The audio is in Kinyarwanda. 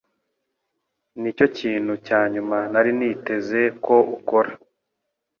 Nicyo kintu cya nyuma nari niteze ko ukora.